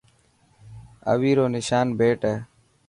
اوي رو نشان بيٽ هي.